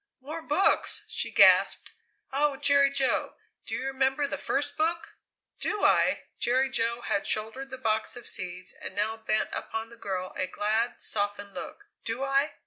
"More books!" she gasped. "Oh, Jerry Jo, do you remember the first book?" "Do I?" Jerry Jo had shouldered the box of seeds and now bent upon the girl a glad, softened look. "Do I?